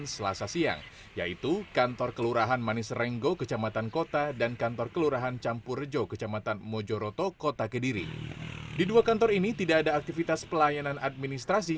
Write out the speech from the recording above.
sedangkan kelurahan manis renggau juga tidak ada aktivitas pelayanan administrasi